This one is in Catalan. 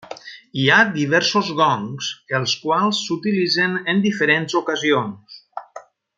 Hi ha diversos gongs, els quals s'utilitzen en diferents ocasions.